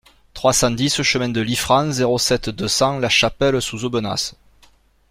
trois cent dix chemin de Liffrand, zéro sept, deux cents, Lachapelle-sous-Aubenas